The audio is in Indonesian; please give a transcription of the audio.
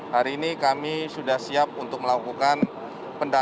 hari ini kami sudah siap untuk melakukan pendataan dan penelitian